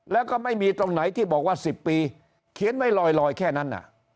แล้วก็ไม่มีตรงไหนที่บอกว่า๑๐ปีเขียนไว้ลอยแค่นั้น